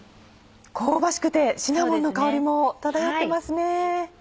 香ばしくてシナモンの香りも漂ってますね。